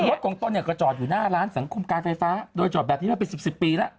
รถของตนเนี่ยก็จอดอยู่หน้าร้านสังคมการไฟฟ้าโดยจอดแบบที่ได้ไปสิบสิบปีเนี่ย